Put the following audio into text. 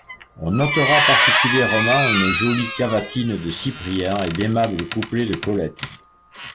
On notera particulièrement une jolie cavatine de Cyprien et d'aimables couplets de Colette.